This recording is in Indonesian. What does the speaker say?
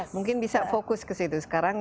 mungkin bisa fokus ke situ sekarang